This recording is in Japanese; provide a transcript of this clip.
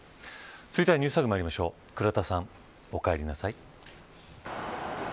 続いてはＮｅｗｓＴａｇまいりましょう倉田さん、おかえりなさい。